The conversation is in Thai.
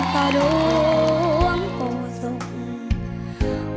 กราบร่วงป่าแพ้เป็นผู้พ่อแพ้ช่างไห้